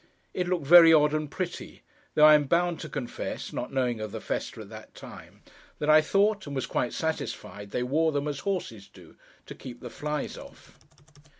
It looked very odd and pretty. Though I am bound to confess (not knowing of the festa at that time), that I thought, and was quite satisfied, they wore them as horses do—to keep the flies off.